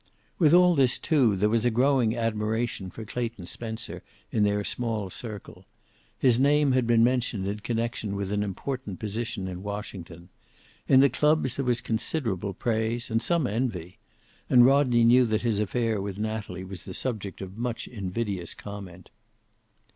With all this, too, there was a growing admiration for Clayton Spencer in their small circle. His name had been mentioned in connection with an important position in Washington. In the clubs there was considerable praise and some envy. And Rodney knew that his affair with Natalie was the subject of much invidious comment.